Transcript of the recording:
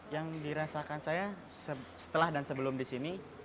yang dirasakan saya setelah dan sebelum di sini